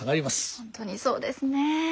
本当にそうですね。